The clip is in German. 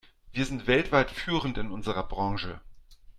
Wir sind weltweit führend in unserer Branche.